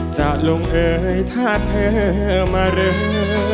จะลงเอยถ้าเธอมารื้อ